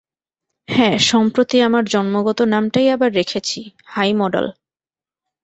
হ্যাঁ, সম্প্রতি আমার জন্মগত নামটাই আবার রেখেছি, হাইমডাল!